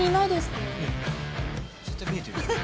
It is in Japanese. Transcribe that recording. ねえ絶対見えてるじゃん。